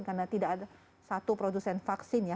karena tidak ada satu produsen vaksin